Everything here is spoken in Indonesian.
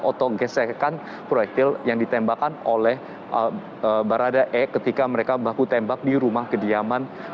atau gesekan proyektil yang ditembakkan oleh barada e ketika mereka baku tembak di rumah kediaman